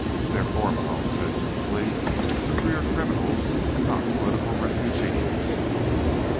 "Therefore," Malone said smoothly, "the three are criminals and not political refugees."